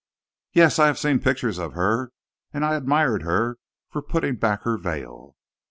"Yes, I have seen pictures of her. And I admired her for putting back her veil."